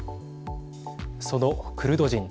そのクルド人。